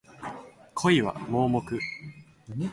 恋は盲目